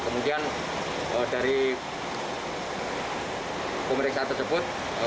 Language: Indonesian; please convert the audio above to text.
kemudian dari pemeriksaan tersebut